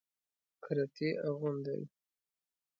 کرتي اغوندئ